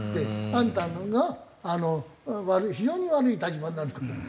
あんたが非常に悪い立場になるとか言って。